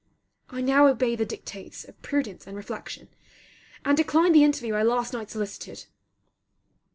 I now obey the dictates of prudence and reflection, and decline the interview I last night solicited.